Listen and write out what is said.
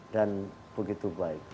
dan begitu baik